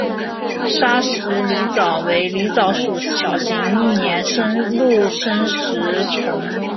砂石狸藻为狸藻属小型一年生陆生食虫植物。